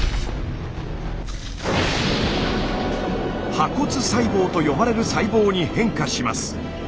破骨細胞と呼ばれる細胞に変化します。